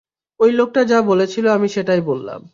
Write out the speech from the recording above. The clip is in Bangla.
ওই লোকটা যা বলেছিল, আমি সেটাই বললাম।